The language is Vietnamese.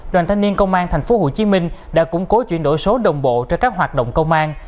đoàn thanh niên công an thành phố hồ chí minh đã củng cố chuyển đổi số đồng bộ cho các hoạt động công an